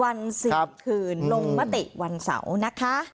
วัน๔คืนลงมติวันเสาร์นะคะ